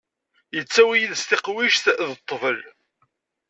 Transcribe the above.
Yettawi yid-s tiqwijt d ṭṭbel.